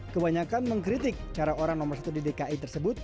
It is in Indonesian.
kebanyakan mengkritik cara orang nomor satu di dki tersebut